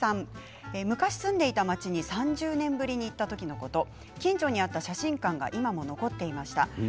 昔住んでいた町に３０年ぶりに行った時のこと近所にあった写真館が今も残っていました。